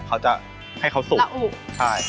เขาจะให้เขาสุก